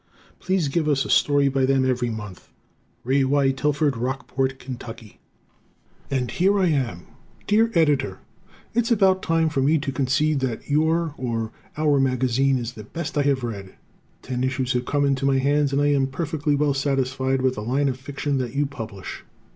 Please give us a story by them every month. Ray Y. Tilford, Rockport, Ky. "And Here I Am" Dear Editor: It's about time for me to concede that your or "our" magazine is the best I have read. Ten issues have come into my hands and I am perfectly well satisfied with the line of fiction that you publish.